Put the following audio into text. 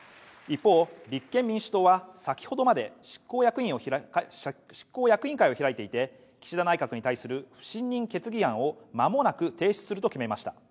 一方、立憲民主党は、先ほどまで執行役員会を開いていて岸田内閣に対する不信任決議案をまもなく提出すると決めました。